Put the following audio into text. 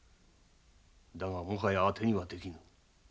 だがもはやあてにはできん。